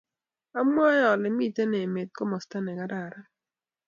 Amwoe ale mitei emet komasta nekararn